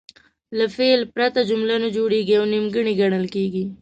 له فعل پرته جمله نه جوړیږي او نیمګړې ګڼل کیږي.